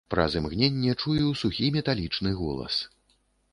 Праз імгненне чую сухі металічны голас.